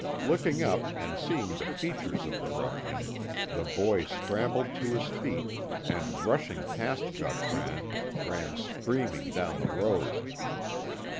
Looking up, and seeing the features of the ruffian, the boy scrambled to his feet, and rushing past Gautran, ran screaming down the road.